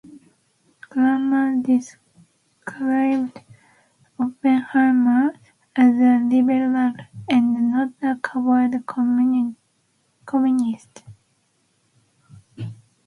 Kramer described Oppenheimer as a "liberal" and not a "covert Communist".